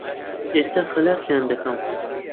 ئێستا خەلاسیان دەکەم.